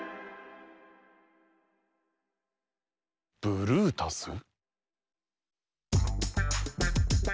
ブルータス。